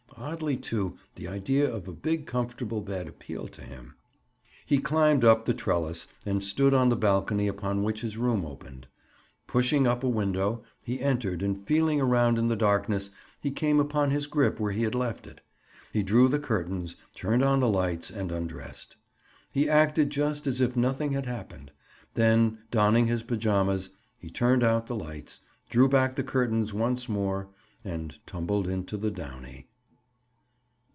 Oddly, too, the idea of a big comfortable bed appealed to him. He climbed up the trellis and stood on the balcony upon which his room opened. Pushing up a window, he entered and feeling around in the darkness he came upon his grip where he had left it. He drew the curtains, turned on the lights and undressed. He acted just as if nothing had happened. Then, donning his pajamas, he turned out the lights, drew back the curtains once more, and tumbled into the downy.